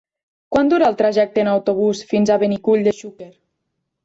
Quant dura el trajecte en autobús fins a Benicull de Xúquer?